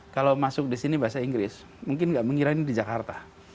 kalau masuk di sini bahasa inggris mungkin nggak mengira ini di jakarta